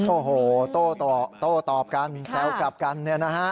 โอ้โหโต้ตอบกันแซวกลับกัน